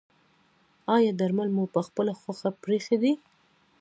ایا درمل مو پخپله خوښه پریښي دي؟